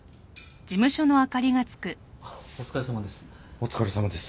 ・お疲れさまです。